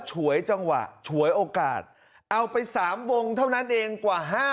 ฉวยจังหวะฉวยโอกาสเอาไป๓วงเท่านั้นเองกว่า